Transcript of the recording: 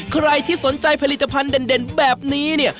ใครที่สนใจผลิตภัณฑ์เด่นแบบนี้เนี่ย